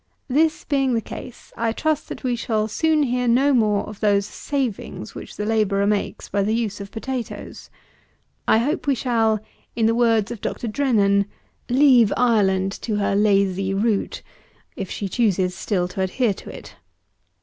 This being the case, I trust that we shall soon hear no more of those savings which the labourer makes by the use of potatoes; I hope we shall, in the words of Dr. DRENNAN, "leave Ireland to her lazy root," if she choose still to adhere to it.